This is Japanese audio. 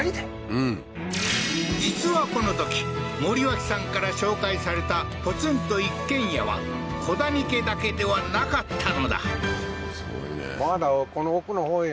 うん実はこのとき森脇さんから紹介されたポツンと一軒家は古谷家だけではなかったのだえっ？